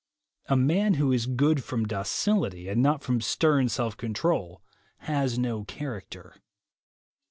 A man who is good from docility, and not from stern self control, has no character.